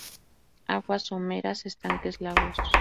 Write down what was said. Aguas someras, estanques lagos.